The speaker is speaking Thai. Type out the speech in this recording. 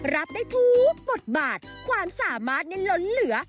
รับได้ทุกบทบาทความสามารถนี่ล้นเหลือ